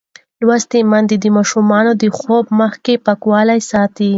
لوستې میندې د ماشومانو د خوب مخکې پاکوالی ساتي.